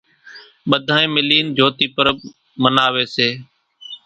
ٻڌانئين ملين جھوتي پرٻ مناوي سي۔